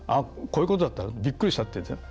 こういうことだったのびっくりしたってね。